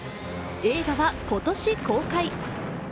映画は今年公開！